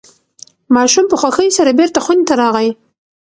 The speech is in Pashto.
ماشوم په خوښۍ سره بیرته خونې ته راغی.